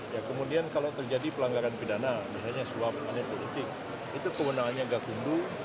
ya kemudian kalau terjadi pelanggaran pidana misalnya sebuah pengen politik itu kewenangannya gakundu